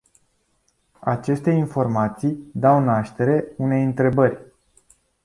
Aceste informații dau naștere unei întrebări.